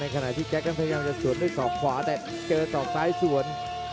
ในขณะที่แจ๊คกันพยายามจะสวนด้วยสอบขวาแต่เกลือสอบซ้ายสวน